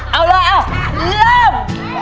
เอาเลยเอาเริ่ม